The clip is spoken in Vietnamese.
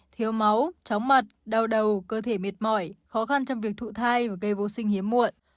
thiếu máu chóng mặt đau đầu cơ thể mệt mỏi khó khăn trong việc thụ thai và gây vô sinh hiếm muộn